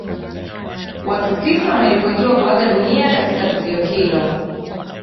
watu tisa wameripotiwa kuaga dunia katika tukio hilo